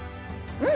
うん。